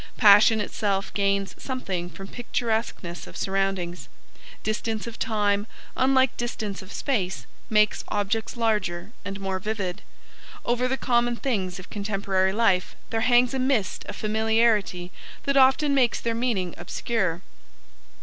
Passion itself gains something from picturesqueness of surroundings; distance of time, unlike distance of space, makes objects larger and more vivid; over the common things of contemporary life there hangs a mist of familiarity that often makes their meaning obscure.